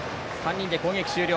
３人で攻撃終了。